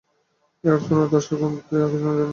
এই আর্তনাদ আশার শুনতে পেয়েছে কিনা জানি না।